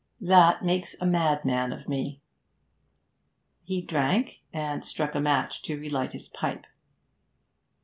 That makes a madman of me.' He drank, and struck a match to relight his pipe.